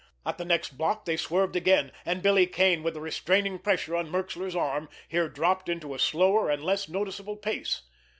At the next block they swerved again—and Billy Kane, with a restraining pressure on Merxler's arm, here dropped into a slower and less noticeable pace.